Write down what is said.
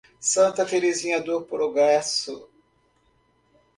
Santa Terezinha do Progresso